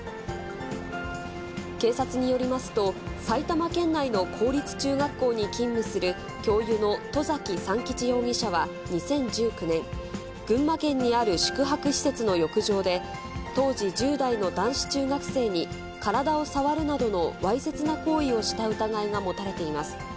警察によりますと、埼玉県内の公立中学校に勤務する教諭の外崎三吉容疑者は２０１９年、群馬県にある宿泊施設の浴場で、当時１０代の男子中学生に、体を触るなどのわいせつな行為をした疑いが持たれています。